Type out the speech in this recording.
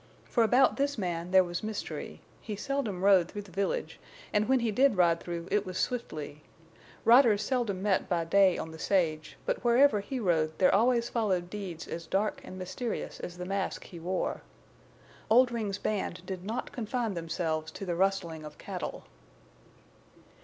For about this man there was mystery, he seldom rode through the village, and when he did ride through it was swiftly; riders seldom met by day on the sage, but wherever he rode there always followed deeds as dark and mysterious as the mask he wore. Oldring's band did not confine themselves to the rustling of cattle.